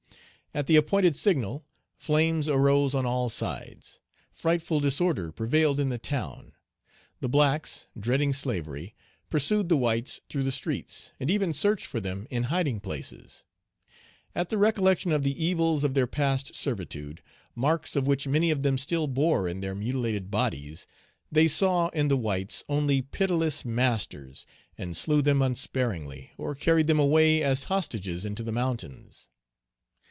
At the appointed signal, flames arose on all sides. Frightful disorder prevailed in the town. The blacks, dreading slavery, pursued the whites through the streets, and even searched for them in hiding places. At the recollection of the evils of their past servitude, marks of which many of them still bore in their mutilated bodies, they saw in the whites only pitiless masters, and slew them unsparingly, or carried them away as hostages into the mountains.